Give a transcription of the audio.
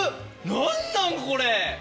何なんこれ！